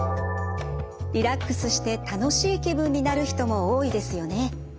リラックスして楽しい気分になる人も多いですよね。